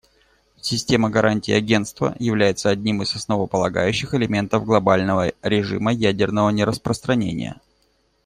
Система гарантий Агентства является одним из основополагающих элементов глобального режима ядерного нераспространения.